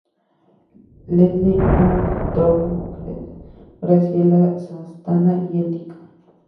Leslie Ung Torrens, Graciela Santana y el Lic.